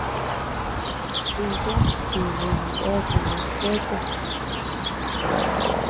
Diya jinuy neatuu kuete.